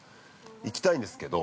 ◆行きたいんですけど。